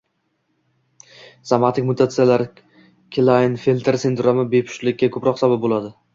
Somatik mutatsiyalar, Klaynfelter sindromi bepushtlikka ko‘proq sabab bo‘ladi.